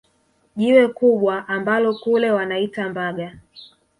Jiwe kubwa ambalo kule wanaita Mbaga